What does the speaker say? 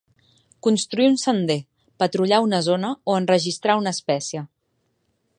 "construir un sender", "patrullar una zona" o "enregistrar una espècie".